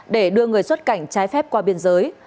để đưa người xuất cảnh trái phép qua biên giới